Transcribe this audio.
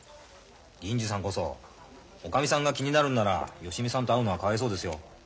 銀次さんこそおかみさんが気になるんなら芳美さんと会うのはかわいそうですよ。